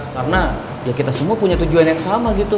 karena ya kita semua punya tujuan yang sama gitu